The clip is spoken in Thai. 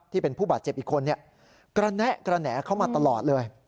ที่เป็นผู้บาดเจ็บอีกคนกระแนะกระแหน่เข้ามาตลอดเลย